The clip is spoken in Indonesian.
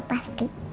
ditanya ke dia gitu